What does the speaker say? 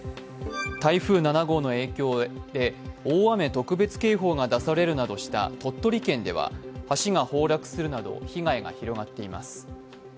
台風７号の影響で大雨特別警報が出されるなどした鳥取県では橋が崩落するなど被害が広がっています。